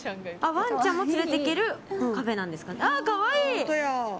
ワンちゃんも連れていけるカフェですかね。